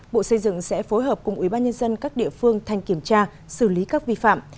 bộ xây dựng sẽ phối hợp cùng ubnd các địa phương thanh kiểm tra xử lý các vi phạm